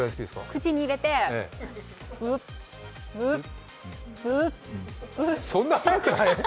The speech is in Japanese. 口に入れてそんな速くない。